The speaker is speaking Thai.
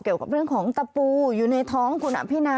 เกี่ยวกับเรื่องของตะปูอยู่ในท้องคุณอภินา